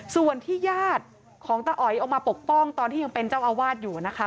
ส่วนที่ญาติของตาอ๋อยออกมาปกป้องตอนที่ยังเป็นเจ้าอาวาสอยู่นะคะ